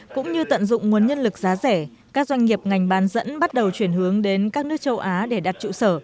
cũng như tận dụng nguồn nhân lực giá rẻ các doanh nghiệp ngành bán dẫn bắt đầu chuyển hướng đến các nước châu á để đặt trụ sở